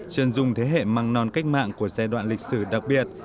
chân dung thế hệ măng non cách mạng của giai đoạn lịch sử đặc biệt